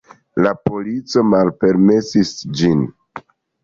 La polico malpermesis ĝin.